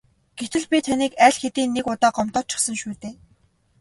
Гэтэл би түүнийг аль хэдийн нэг удаа гомдоочихсон шүү дээ.